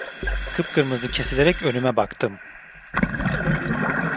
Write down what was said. Kıpkırmızı kesilerek önüme baktım.